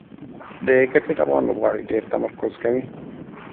د کرکټ افغان لوبغاړي ډېر تمرکز کوي.